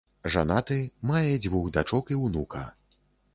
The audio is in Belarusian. Жанаты, мае дзвюх дачок і ўнука.